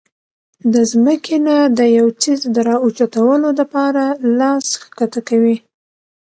د زمکې نه د يو څيز را اوچتولو د پاره لاس ښکته کوي